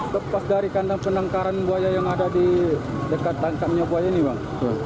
lepas dari kandang penangkaran buaya yang ada di dekat tangkapnya buaya ini bang